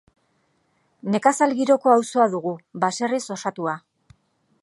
Nekazal giroko auzoa dugu, baserriz osatua.